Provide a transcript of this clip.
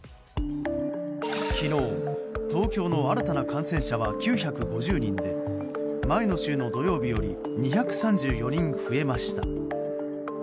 昨日、東京の新たな感染者は９５０人で前の週の土曜日より２３４人増えました。